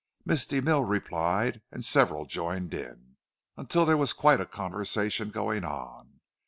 Miss de Mille replied, and several joined in, until there was quite a conversation going on.